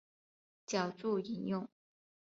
脚注引用